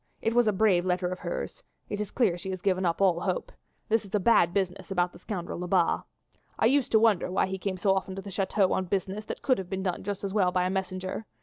It was a brave letter of hers; it is clear she has given up all hope. This is a bad business about the scoundrel Lebat. I used to wonder why he came so often to the chateau on business that could have been done just as well by a messenger.